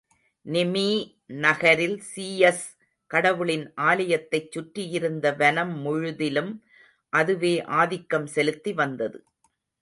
நிமீ நகரில் சீயஸ் கடவுளின் ஆலயத்தைச் சுற்றியிருந்த வனம் முழுதிலும் அதுவே ஆதிக்கம் செலுத்தி வந்தது.